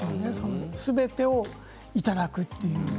すべてをいただくという。